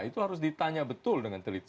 itu harus ditanya betul dengan teliti